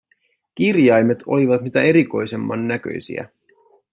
Kirjaimet olivat mitä erikoisemman näköisiä.